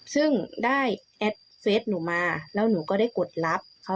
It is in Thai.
ซึ่งได้แอดเฟสหนูมาแล้วหนูก็ได้กดลับ